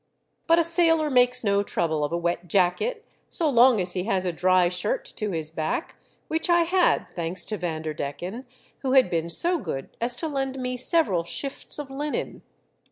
But a sailor makes no trouble of a wet jacket so long as he has a dry shirt to his 202 THE DEATH SHIP. back, which I had, thanks to Vanderdecken, who had been so good as to lend me several shifts of linen.